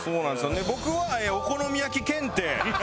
で僕はお好み焼き検定。